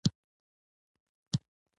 دا حیوان اوږده قد لري.